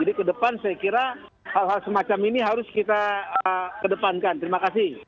jadi ke depan saya kira hal hal semacam ini harus kita kedepankan terima kasih